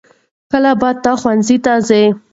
کله به ته ښوونځي ته ځې؟